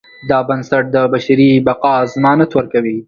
دا بنسټ د بشري بقا ضمانت ورکوي.